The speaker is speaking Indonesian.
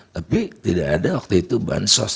tapi tidak ada waktu itu bansos